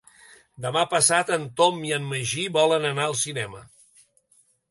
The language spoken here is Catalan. Demà passat en Tom i en Magí volen anar al cinema.